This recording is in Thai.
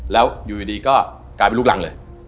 แล้วอยู่ดีก็กลายเป็นลูกรังเลย